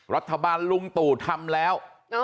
รัฐบาลลุงตู่ทำแล้ว